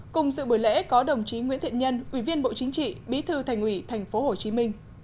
cùng dự buổi lễ có đồng chí nguyễn thiện nhân ủy viên bộ chính trị bí thư thành ủy tp hcm